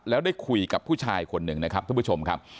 แล้วได้คุยกับผู้ชายคนหนึ่งนะครับท่านผู้ชมครับ